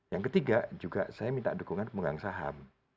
yang ketiga juga saya minta dukungan pemegang saham